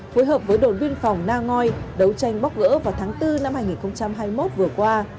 phối hợp với đồn biên phòng na ngoi đấu tranh bóc gỡ vào tháng bốn năm hai nghìn hai mươi một vừa qua